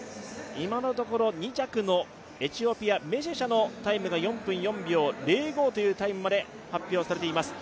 今のところ２着のエチオピア、メシェシャの４分４秒０５というタイムまで発表されています。